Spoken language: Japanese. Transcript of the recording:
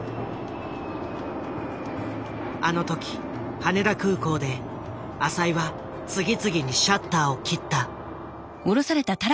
あの時羽田空港で浅井は次々にシャッターを切った。